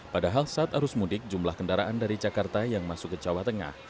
padahal saat arus mudik jumlah kendaraan dari jakarta yang masuk ke jawa tengah